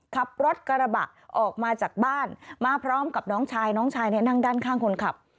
ขับรถกระบะออกมาจากบ้านมาพร้อมกับน้องชายน้องชายเนี่ยนั่งด้านข้างคนขับ